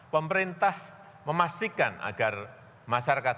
pemerintah memastikan agar masyarakat